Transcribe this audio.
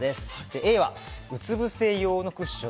Ａは、うつぶせ用のクッション。